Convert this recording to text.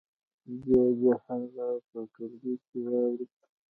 بیا دې هغه په ټولګي کې واوروي.